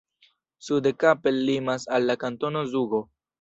Sude Kappel limas al la Kantono Zugo.